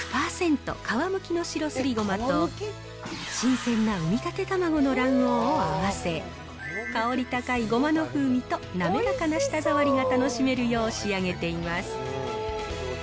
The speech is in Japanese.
１００％皮むきの白すりごまと新鮮な生みたて卵の卵黄を合わせ、香り高いごまの風味と滑らかな舌触りが楽しめるよう仕上げています。